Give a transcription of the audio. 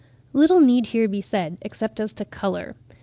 Little need here be said, except as to colour.